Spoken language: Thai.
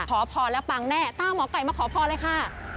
ขอพรแล้วปังแน่ตามหมอไก่มาขอพรเลยค่ะ